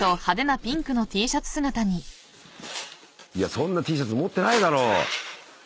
そんなＴシャツ持ってないだろ。